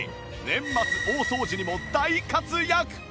年末大掃除にも大活躍！